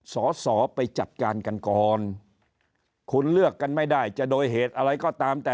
สอสอไปจัดการกันก่อนคุณเลือกกันไม่ได้จะโดยเหตุอะไรก็ตามแต่